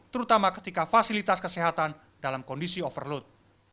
terutama ketika fasilitas kesehatan dalam kondisi overload